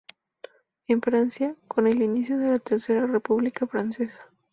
En Francia, con el inicio de la Tercera República Francesa.